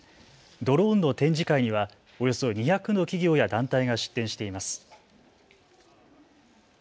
ドローンの展示会にはおよそ２００の企業や団体が出展しています。